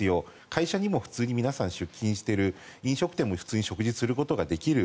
会社にも普通に皆さん出勤している飲食店も普通に食事することができる。